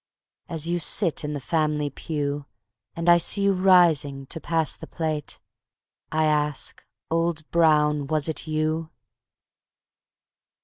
... As you sit in the family pew, And I see you rising to pass the plate, I ask: Old Brown, was it you?